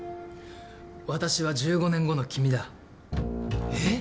私は１５年後の君だ。えっ？